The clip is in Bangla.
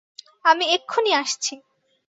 আমি এক্ষুণি আসছি।